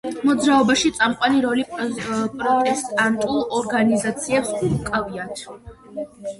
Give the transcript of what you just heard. მოძრაობაში წამყვანი როლი პროტესტანტულ ორგანიზაციებს უკავიათ.